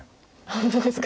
本当ですか。